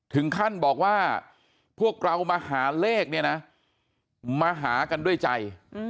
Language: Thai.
ถึงขั้นบอกว่าพวกเรามาหาเลขเนี่ยนะมาหากันด้วยใจ